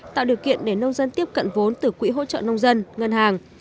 tạo điều kiện để nông dân tiếp cận vốn từ quỹ hỗ trợ nông dân ngân hàng